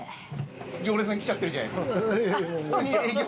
常連さん来ちゃってるじゃないですか。